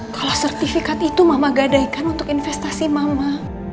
kalau sertifikat itu mama gadaikan untuk investasi mama